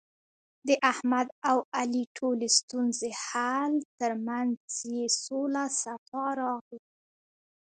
د احمد او علي ټولې ستونزې حل، ترمنځ یې سوله صفا راغله.